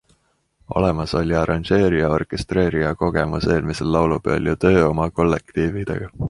Olemas oli arranžeerija-orkestreerija kogemus eelmisel laulupeol ja töö oma kollektiividega.